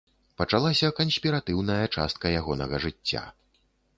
Пачалася канспіратыўная частка ягонага жыцця.